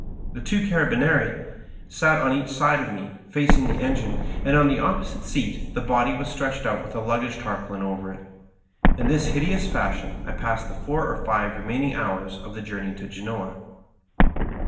The two carabinieri sat one on each side of me facing the engine, and on the opposite seat the body was stretched out with a luggage tarpaulin over it. In this hideous fashion I passed the four or five remaining hours of the journey to Grenoa.